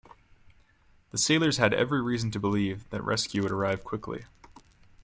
The sailors had every reason to believe that rescue would arrive quickly.